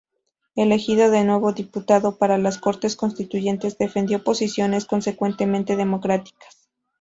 Elegido de nuevo diputado para las Cortes Constituyentes defendió posiciones consecuentemente democráticas.